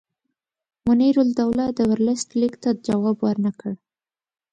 منیرالدوله د ورلسټ لیک ته جواب ورنه کړ.